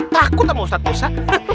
takut sama ustadz musa